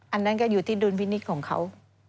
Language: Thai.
อันนั้นก็อยู่ที่ดุลพินิษฐ์ของเขา